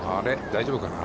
大丈夫かな？